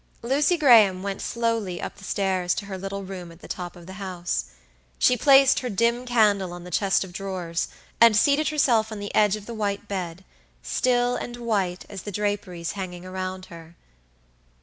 Lucy Graham went slowly up the stairs to her little room at the top of the house. She placed her dim candle on the chest of drawers, and seated herself on the edge of the white bed, still and white as the draperies hanging around her.